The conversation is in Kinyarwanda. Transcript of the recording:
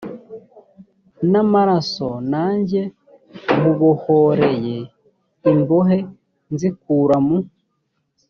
n amaraso nanjye nkubohoreye imbohe nzikura mu